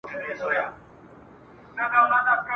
د پښتونستان د ورځي ..